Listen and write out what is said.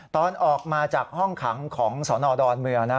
ตอนออกมาจากห้องขังของสนดอนเมืองนะ